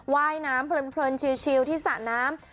ว่ายน้ำเพลินชิลที่สระน้ำ